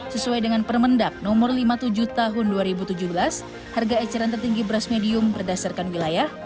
sesuai dengan permendak no lima puluh tujuh tahun dua ribu tujuh belas harga eceran tertinggi beras medium berdasarkan wilayah